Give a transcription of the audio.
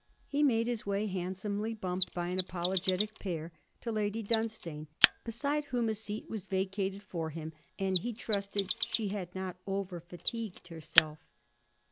He made his way, handsomely bumped by an apologetic pair, to Lady Dunstane, beside whom a seat was vacated for him; and he trusted she had not over fatigued herself.